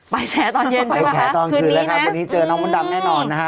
ไปแฉตอนเย็นด้วยวะครับคืนนี้นะโอเควันนี้เจอน้องมดำแน่นอนนะฮะ